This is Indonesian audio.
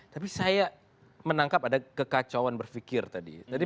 tapi saya menangkap ada kekacauan berpikir tadi